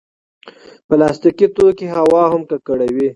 پلاستيکي توکي هوا هم ککړوي.